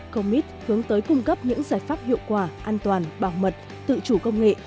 comit hướng tới cung cấp những giải pháp hiệu quả an toàn bảo mật tự chủ công nghệ